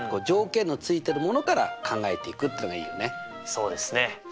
そうですね。